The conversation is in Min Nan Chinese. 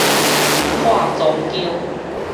化妝間